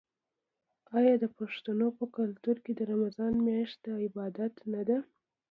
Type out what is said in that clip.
آیا د پښتنو په کلتور کې د رمضان میاشت د عبادت نه ده؟